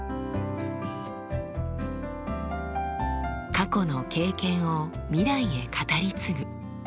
過去の経験を未来へ語り継ぐ。